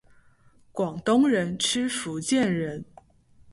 广东人吃福建人！